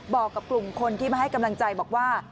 บอกกับกลุ่มคนที่มาให้กำลังใจบอกว่า